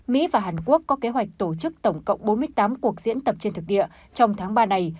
mỹ và hàn quốc có kế hoạch tổ chức tổng cộng bốn mươi tám cuộc diễn tập trên thực địa trong tháng ba này